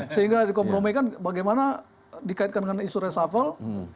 sehingga dikompromikan bagaimana dikaitkan dengan isu resafel